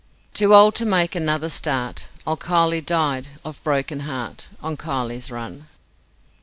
Too old to make another start, Old Kiley died of broken heart, On Kiley's Run.